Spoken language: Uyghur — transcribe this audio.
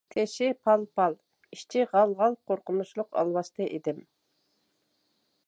تېشى پال-پال، ئىچى غال-غال قورقۇنچلۇق ئالۋاستى ئىدىم.